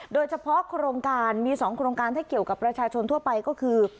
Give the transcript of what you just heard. โดยเฉพาะโครงการมี๒โครงการที่เกี่ยวกับประชาชนทั่วไปก็คือ